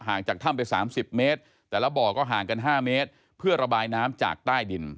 จากถ้ำไป๓๐เมตรแต่ละบ่อก็ห่างกัน๕เมตรเพื่อระบายน้ำจากใต้ดิน